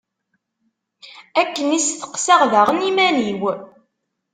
Akken i steqsaɣ daɣen iman-iw.